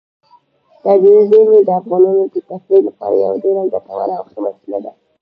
طبیعي زیرمې د افغانانو د تفریح لپاره یوه ډېره ګټوره او ښه وسیله ده.